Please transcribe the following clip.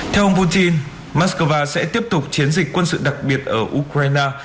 theo ông putin moscow sẽ tiếp tục chiến dịch quân sự đặc biệt ở ukraine